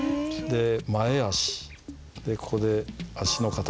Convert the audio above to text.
で前足ここで足の形